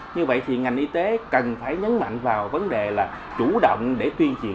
như vậy thì ngành y tế cần phải nhấn mạnh vào vấn đề là chủ động để tuyên truyền